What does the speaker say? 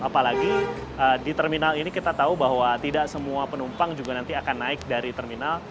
apalagi di terminal ini kita tahu bahwa tidak semua penumpang juga nanti akan naik dari terminal